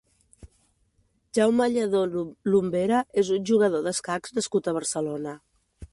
Jaume Lladó Lumbera és un jugador d'escacs nascut a Barcelona.